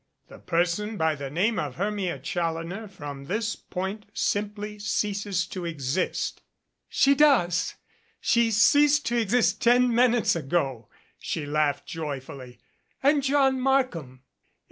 "The person by the name of Hermia Challoner from this point simply ceases to exist " "She does. She ceased to exist ten minutes ago," she laughed joyfully. "And John Markham?"